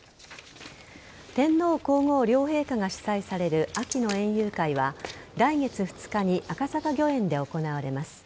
天皇皇后両陛下が主催される秋の園遊会は来月２日に赤坂御苑で行われます。